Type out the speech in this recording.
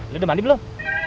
lu udah mandi belum